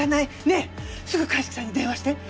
ねえすぐ鑑識さんに電話して！